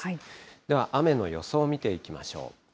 では雨の予想を見ていきましょう。